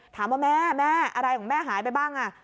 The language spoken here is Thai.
ถามว่าแม่แม่อะไรของแม่หายไปบ้าง